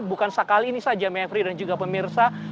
bukan sekali ini saja mevri dan juga pemirsa